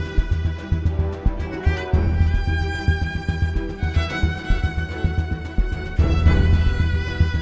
boya buka gerbang